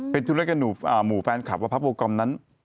เป็นทุนและกระหนูหมู่แฟนคลับว่าพรรคโบกรมนั้น